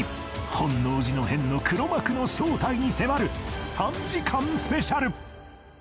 本能寺の変の黒幕の正体に迫る３時間スペシャル